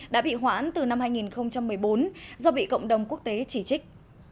đã bị hoãn từ năm hai nghìn một mươi bốn do bị cộng đồng quốc tế chỉ trích